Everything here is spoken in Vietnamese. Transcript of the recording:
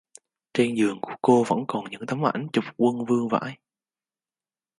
Trên giường của cô vẫn còn những tấm ảnh chụp quân vương vãi